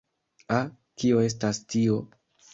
Ah, kio estas tio?